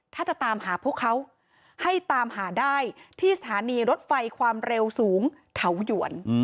ถ้าจะตามหาพวกเขาให้ตามหาได้ที่สถานีรถไฟความเร็วสูงเถาหยวน